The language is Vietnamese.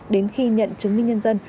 đến khi nhận chứng minh nhân dân